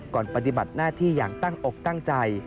ปฏิบัติหน้าที่อย่างตั้งอกตั้งใจ